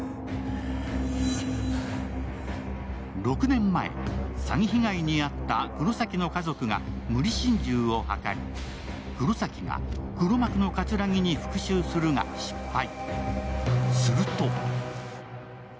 ６年前、詐欺被害に遭った黒崎の家族が無理心中を図り、黒崎が黒幕の桂木に復しゅうするが失敗。